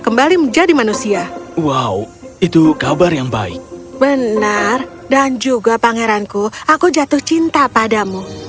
kembali menjadi manusia wow itu kabar yang baik benar dan juga pangeranku aku jatuh cinta padamu